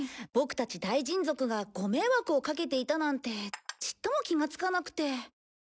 ボクたち大人族がご迷惑をかけていたなんてちっとも気がつかなくて。